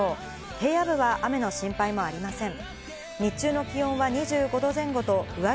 平野部は雨の心配もありません。